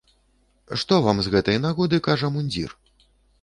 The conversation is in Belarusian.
Што вам з гэтай нагоды кажа мундзір?